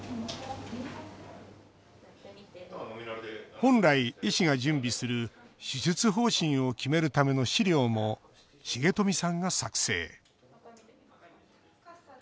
本来、医師が準備する手術方針を決めるための資料も重冨さんが作成。